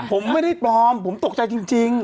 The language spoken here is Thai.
ผมไม่ได้ปลอมผมตกใจจริง